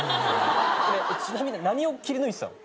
ちなみに何を切り抜いてたの？